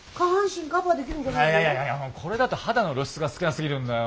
いやいやこれだと肌の露出が少なすぎるんだよ。